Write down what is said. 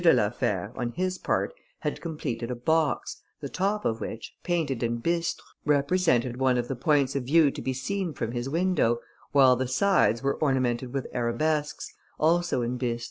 de la Fère, on his part, had completed a box, the top of which, painted in bistre, represented one of the points of view to be seen from his window, while the sides were ornamented with arabesques, also in bistre.